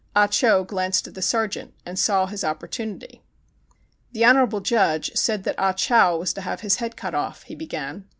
Ah Cho glanced at the sergeant and saw^ his opportunity. "The honorable judge said that Ah Chow was to have his head cut off," he beg an.